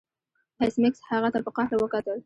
ایس میکس هغه ته په قهر وکتل